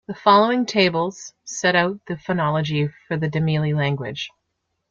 The following tables set out the phonology of the Dameli Language.